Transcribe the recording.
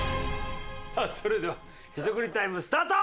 さあそれではへそくりタイムスタート！